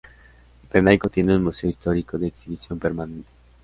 Renaico tiene un Museo histórico de exhibición permanente.